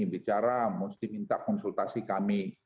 bicara mesti minta konsultasi kami